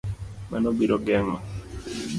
Mano biro geng'o